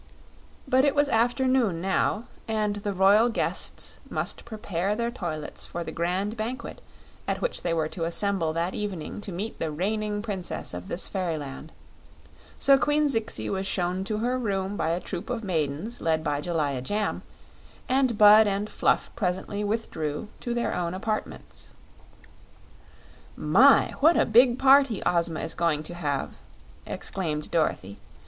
But it was after noon now, and the royal guests must prepare their toilets for the grand banquet at which they were to assemble that evening to meet the reigning Princess of this Fairyland; so Queen Zixi was shown to her room by a troop of maidens led by Jellia Jamb, and Bud and Fluff presently withdrew to their own apartments. "My! what a big party Ozma is going to have," exclaimed Dorothy.